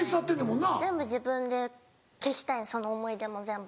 全部自分で消したいその思い出も全部。